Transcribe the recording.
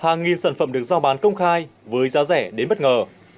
hàng nghìn sản phẩm được giao bán công khai với giá rẻ đến bất ngờ